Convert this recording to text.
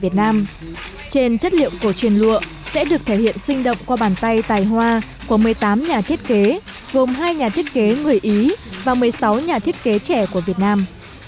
trên chất liệu cổ truyền lụa sẽ được thể hiện sinh động qua bàn tay tài hoa của một mươi tám nhà thiết kế gồm hai nhà thiết kế người ý và một mươi sáu nhà thiết kế trẻ của việt nam